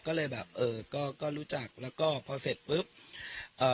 ก็เลยแบบเออก็ก็รู้จักแล้วก็พอเสร็จปุ๊บเอ่อ